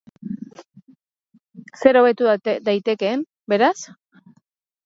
Zer hobetu daitekeen, beraz?